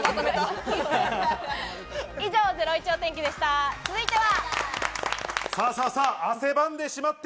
以上、ゼロイチお天気でした。